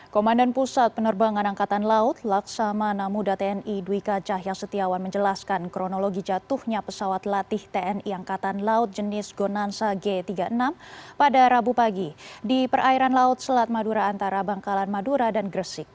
komandan pusat penerbangan angkatan laut laksamana muda tni duika cahya setiawan menjelaskan kronologi jatuhnya pesawat latih tni angkatan laut jenis gonansa g tiga puluh enam pada rabu pagi di perairan laut selat madura antara bangkalan madura dan gresik